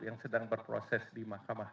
yang sedang berproses di mahkamah